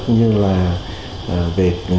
như là về